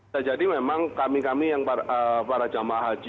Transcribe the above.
terjadi memang kami kami yang para jamaah haji